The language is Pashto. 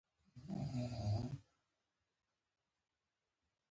لاهور ته تر رسېدلو دمخه مشهور متل و.